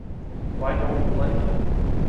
Why don’t you like it?